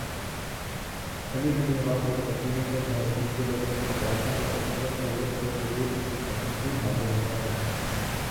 ٹھنڈی ٹھنڈی ہوا میرے پسینے سے بھیگے بدن سے ٹکراتی ہے تو عجب سا لطف و سرو ر اور سکون حاصل ہوتا ہے